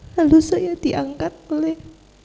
lalu saya diangkat oleh